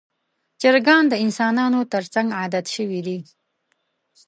چرګان د انسانانو تر څنګ عادت شوي دي.